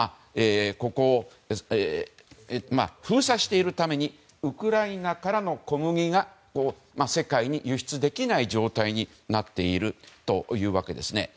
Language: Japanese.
ここを封鎖しているためにウクライナからの小麦が世界に輸出できない状態になっているというわけですね。